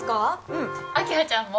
うん明葉ちゃんも？